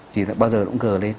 thì bao giờ nó cũng gờ lên